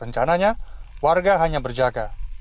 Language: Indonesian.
rencananya warga hanya berjaga